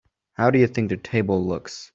How do you think the table looks?